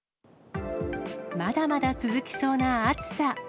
まだまだ続きそうな暑さ。